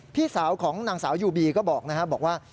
พี่สาวของนางสาวยูบีก็บอกนะครับบอกว่า